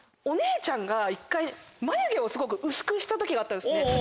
お姉ちゃんが一回眉毛をすごく薄くした時があったんですね。